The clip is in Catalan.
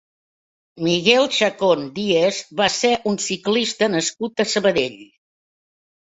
Miguel Chacón Diez va ser un ciclista nascut a Sabadell.